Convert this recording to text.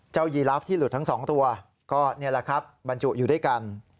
ยีลาฟที่หลุดทั้งสองตัวก็นี่แหละครับบรรจุอยู่ด้วยกัน